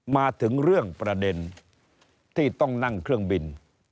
มาถึงเรื่องประเด็นที่ต้องนั่งเครื่องบิน